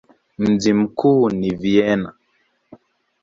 Mji mkuu ni Vienna.